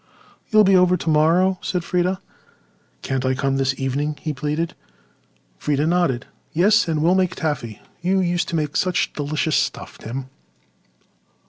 "You'll be over tomorrow?" said Freda. "Can't I come this evening?" he pleaded. Freda nodded. "Yes—and we'll make taffy. You used to make such delicious stuff, Tim."